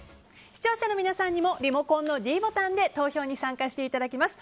視聴者の皆さんにもリモコンのｄボタンで投票に参加していただきます。